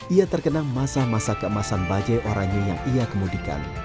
ia terkenang masa masa keemasan bajai orangnya yang ia kemudikan